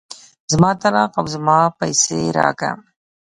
زما طلاق او زما پيسې راکه.